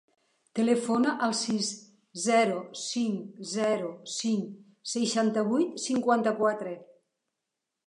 Telefona al sis, zero, cinc, zero, cinc, seixanta-vuit, cinquanta-quatre.